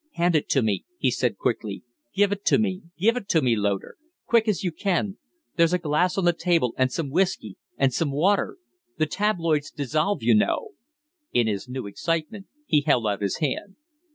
"Hand it to me," he said, quickly. "Give it to me. Give it to me, Loder. Quick as you can! There's a glass on the table and some whiskey and water. The tabloids dissolve, you know " In his new excitement he held out his hand.